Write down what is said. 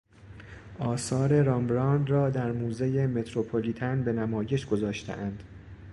آثار رامبراند را در موزهی متروپولیتن به نمایش گذاشتهاند.